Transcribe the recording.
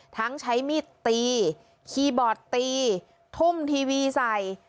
ทั้งใช้มีดตีคีย์บอร์ดตีทุ่มทีวีใส่